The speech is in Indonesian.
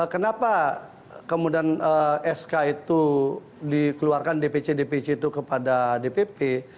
kenapa kemudian sk itu dikeluarkan dpc dpc itu kepada dpp